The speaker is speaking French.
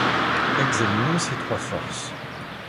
Examinons ces trois forces.